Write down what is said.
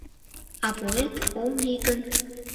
А поэт ом лий гын